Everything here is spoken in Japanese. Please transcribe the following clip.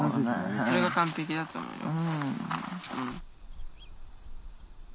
それが完璧だと思うよ。